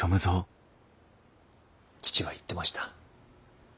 父は言ってました。